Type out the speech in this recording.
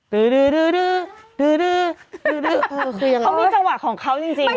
เขามีจังหวะของเขาจริง